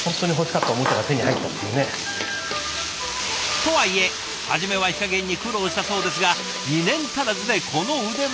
とはいえ初めは火加減に苦労したそうですが２年足らずでこの腕前。